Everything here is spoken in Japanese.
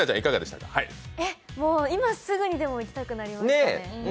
今すぐにでも行きたくなりますね。